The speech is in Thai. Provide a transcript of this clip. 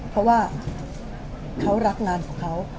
เพราะว่าเขารักงานของเขา